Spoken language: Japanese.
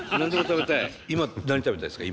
今何食べたいですか？